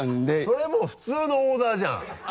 それもう普通のオーダーじゃん。